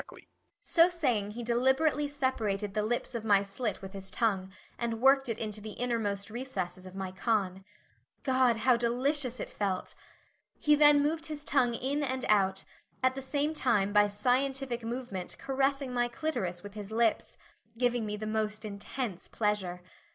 So saying he deliberately separated the lips of my slit with his tongue, and worked it into the innermost recesses of my con. God, how delicious it felt! He then moved his tongue in and out, at the same time by scientific movement caressing my clitoris with his lips giving me the most intense pleasure.